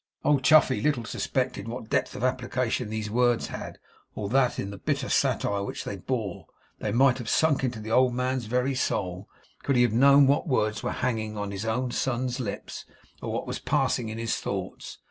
Old Chuffey little suspected what depth of application these words had, or that, in the bitter satire which they bore, they might have sunk into the old man's very soul, could he have known what words here hanging on his own son's lips, or what was passing in his thoughts.